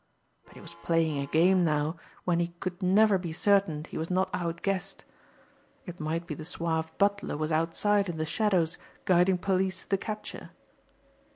But he was playing a game now when he could never be certain he was not outguessed. It might be the suave butler was outside in the shadows guiding police to the capture.